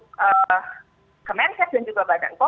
kementerian kesehatan dan juga badan kom